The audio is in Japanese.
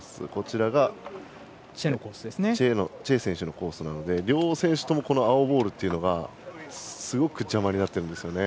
左がチェ選手のコースなので両選手とも青ボールがすごく邪魔になっています。